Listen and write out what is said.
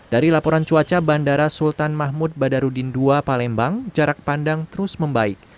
dari laporan cuaca bandara sultan mahmud badarudin ii palembang jarak pandang terus membaik